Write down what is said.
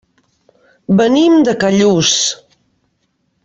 Venim de Callús.